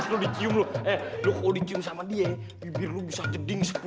harus lu dikium lu eh lo kalau dikium sama dia bibir lu bisa ceding sepuluh cm